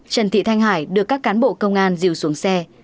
trần thị thanh hải được các cán bộ công an dìu xuống xe